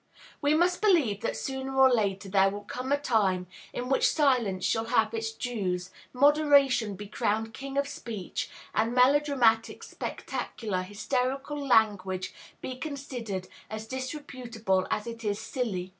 We must believe that sooner or later there will come a time in which silence shall have its dues, moderation be crowned king of speech, and melodramatic, spectacular, hysterical language be considered as disreputable as it is silly.